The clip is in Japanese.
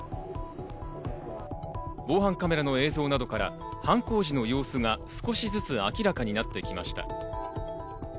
防犯カメラの映像などから犯行時の様子が少しずつ明らかになってきました。